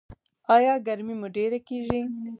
ایا ګرمي مو ډیره کیږي؟